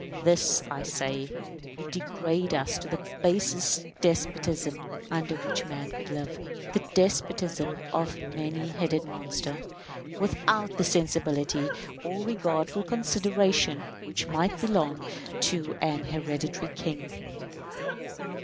This, I say, would degrade us to the basest despotism under which man could live the despotism of a many headed monster, without the sensibility or regardful consideration which might belong to an hereditary king.